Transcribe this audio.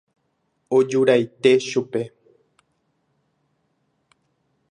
Ojuraite chupe.